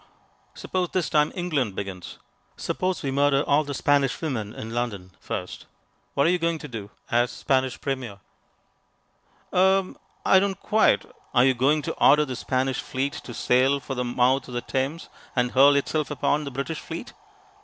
"Suppose this time England begins. Suppose we murder all the Spanish women in London first. What are you going to do as Spanish Premier?" "Er I don't quite " "Are you going to order the Spanish Fleet to sail for the mouth of the Thames, and hurl itself upon the British fleet?"